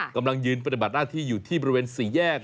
กำลังยืนปฏิบัติหน้าที่อยู่ที่บริเวณสี่แยก